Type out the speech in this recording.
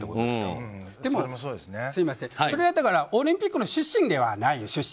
でも、それはだからオリンピックの趣旨ではないですよ。